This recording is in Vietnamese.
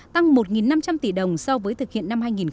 tăng một năm trăm linh tỷ đồng so với thực hiện tập đoàn